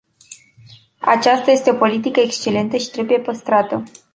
Aceasta este o politică excelentă și trebuie păstrată.